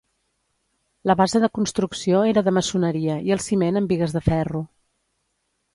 La base de construcció era de maçoneria i el ciment amb bigues de ferro.